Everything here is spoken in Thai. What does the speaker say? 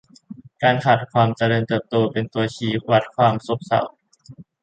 การขาดความเจริญเติบโตเป็นตัวชี้วัดความซบเซา